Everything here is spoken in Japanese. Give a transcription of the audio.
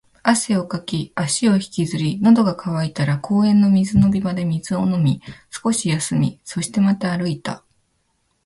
汗をかき、足を引きずり、喉が渇いたら公園の水飲み場で水を飲み、少し休み、そしてまた歩いた